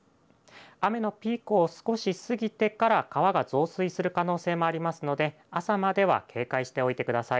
雨のピークを少し過ぎてから川が増水する可能性もありますので朝までは警戒しておいてください。